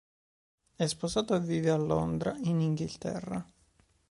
È sposato e vive a Londra, in Inghilterra.